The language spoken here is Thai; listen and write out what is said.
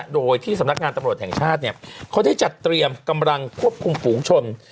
โดยที่สำนักงานตำรวจแห่งชาติเขาได้จัดเตรียมกำลังควบคุมฝูงชน